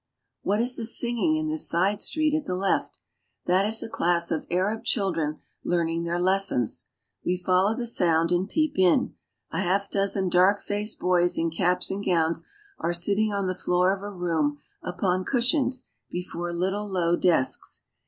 What is the sing ing in this side street ;at the left.' That is class of Arab chil dren learning their lessons. We follow the sound and peep A half dozen dark faced boys in caps and gowns are sitting on the floor of a room Upon cushions before ifittle low desks.